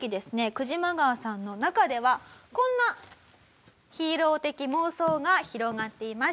クジマガワさんの中ではこんなヒーロー的妄想が広がっていました。